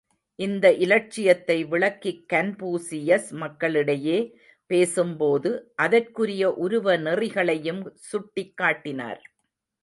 இந்த இலட்சியத்தை விளக்கிக் கன்பூசியஸ் மக்களிடையே பேசும்போது, அதற்குரிய உருவ நெறிகளையும் சுட்டிக் காட்டினார்.